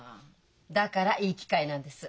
だからいい機会なんです。